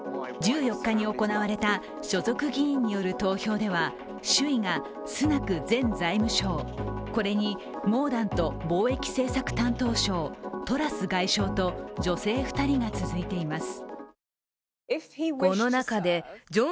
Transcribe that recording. １４日に行われた所属議員による投票では首位がスナク前財務相、これにモーダント貿易政策担当相、トラス外相と女性２人が続いています。